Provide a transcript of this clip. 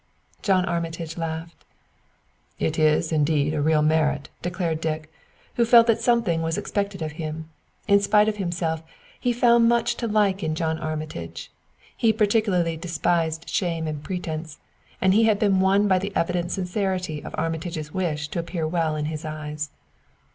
John Armitage laughed. "It is, indeed, a real merit," declared Dick, who felt that something was expected of him. In spite of himself, he found much to like in John Armitage. He particularly despised sham and pretense, and he had been won by the evident sincerity of Armitage's wish to appear well in his eyes.